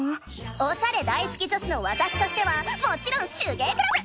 おしゃれ大好き女子のわたしとしてはもちろん手芸クラブ！